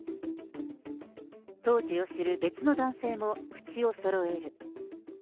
当時を知る別の男性も口をそろえる。